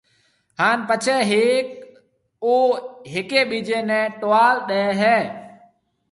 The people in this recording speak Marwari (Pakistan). ھان پڇيَ ھيَََڪ او ھيَََڪيَ ٻيجيَ نيَ ٽوال ڏَي ھيََََ